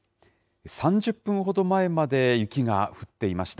３０分ほど前まで雪が降っていました。